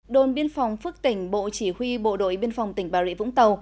đồn biên phòng phước tỉnh bộ chỉ huy bộ đội biên phòng tỉnh bà rịa vũng tàu